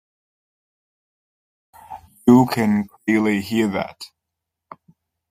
You can clearly hear that.